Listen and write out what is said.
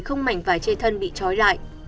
không mảnh vài chê thân bị trói lại